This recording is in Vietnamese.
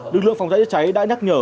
lực lượng phòng cháy chữa cháy đã nhắc nhở